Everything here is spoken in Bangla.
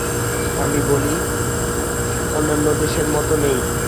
আমি বলি, অন্যান্য দেশের মত নেই।